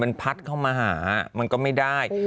มันพัดเข้ามาหามันก็ไม่ได้